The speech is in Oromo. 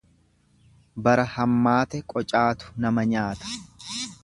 Bara hammaate qocaatu nama nyaata.